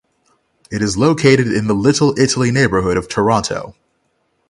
It is located in the Little Italy neighbourhood of Toronto.